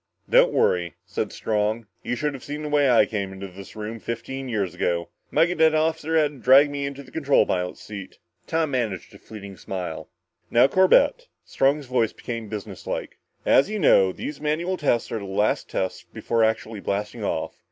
"Don't worry," said Strong. "You should have seen the way I came into this room fifteen years ago. My cadet officer had to help me into the control pilot's seat." Tom managed a fleeting smile. "Now, Corbett" Strong's voice became businesslike "as you know, these manual tests are the last tests before actually blasting off.